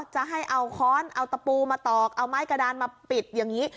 จะให้เอาค้อนเอาตะปูมาตอกเอาไม้กระดานมาปิดอย่างนี้